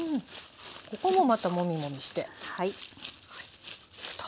ここもまたもみもみしておくと。